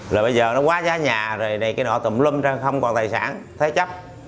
là bây giờ nó quá giá nhà rồi này cái nọ tùm lum không còn tài sản thế chấp